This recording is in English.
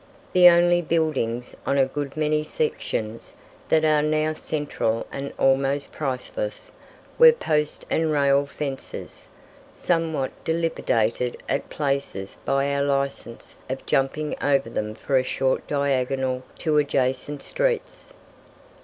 The only "buildings" on a good many sections, that are now central and almost priceless, were post and rail fences, somewhat dilapidated at places by our license of jumping over them for a short diagonal to adjacent streets.